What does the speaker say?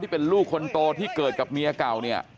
เป็นลูกคนโตที่เกิดกับเมียเก่าเนี่ย